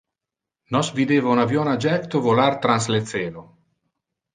Nos videva un avion a jecto volar trans le celo.